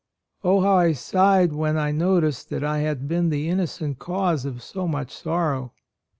Oh, how I sighed when I noticed that I had been the innocent cause of so much sorrow